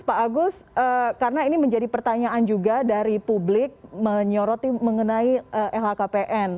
pak agus karena ini menjadi pertanyaan juga dari publik menyoroti mengenai lhkpn